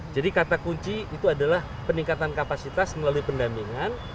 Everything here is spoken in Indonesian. jadi kata kunci itu adalah peningkatan kapasitas melalui pendamingan